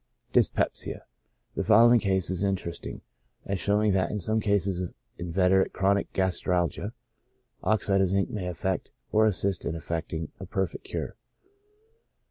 Dyspepsia. — The following case is interesting, as showing that, in some cases of inveterate chronic gastralgia, oxide of zinc may effect, or assist in effecting, a perfect cure.